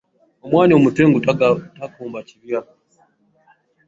Omwana omutengu takomba kibya.